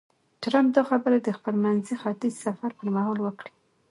ټرمپ دا خبرې د خپل منځني ختیځ سفر پر مهال وکړې.